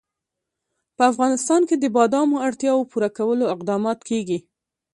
په افغانستان کې د بادامو د اړتیاوو پوره کولو اقدامات کېږي.